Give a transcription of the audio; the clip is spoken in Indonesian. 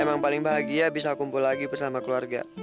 emang paling bahagia bisa kumpul lagi bersama keluarga